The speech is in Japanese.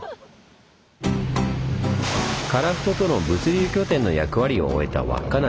樺太との物流拠点の役割を終えた稚内。